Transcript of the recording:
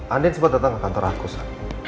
andin sempat datang ke kantor aku sih